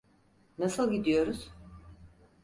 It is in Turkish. Nasıl gidiyoruz?